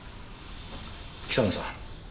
北野さん。